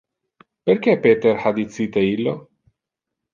Perque Peter ha dicite illo?